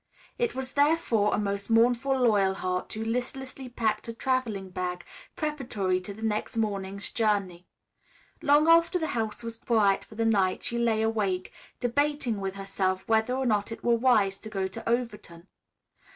It was therefore a most mournful Loyalheart who listlessly packed a traveling bag, preparatory to the next morning's journey. Long after the house was quiet for the night, she lay awake, debating with herself whether or not it were wise to go to Overton.